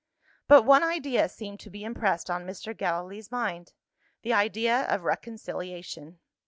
But one idea seemed to be impressed on Mr. Gallilee's mind the idea of reconciliation.